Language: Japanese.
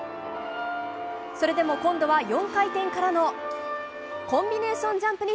それでも今度は、４回転からのコンビネーションジャンプ。